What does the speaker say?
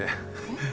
えっ？